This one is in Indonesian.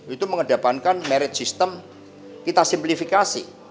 itu mengedapankan merit sistem kita simplifikasi